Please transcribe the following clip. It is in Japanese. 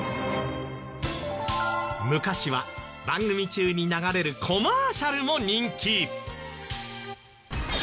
昔は番組中に流れるコマーシャルも人気。